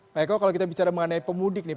pak eko kalau kita bicara mengenai pemudik nih